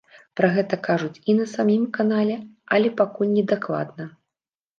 Пра гэта кажуць і на самім канале, але пакуль не дакладна.